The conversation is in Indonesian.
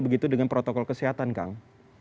begitu dengan protokol kesehatan kang